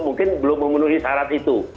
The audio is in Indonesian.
mungkin belum memenuhi syarat itu